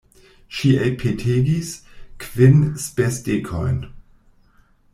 Ŝi elpetegis kvin spesdekojn.